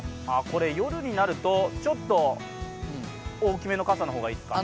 夜になると、ちょっと大きめの傘の方がいいですか。